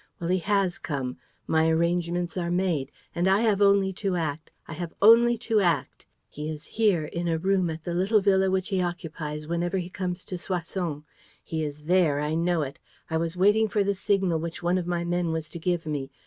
Well, he has come. My arrangements are made. And I have only to act. ... I have only to act! He is here, in a room at the little villa which he occupies whenever he comes to Soissons. He is there, I know it. I was waiting for the signal which one of my men was to give me.